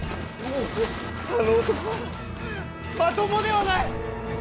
あの男はまともではない！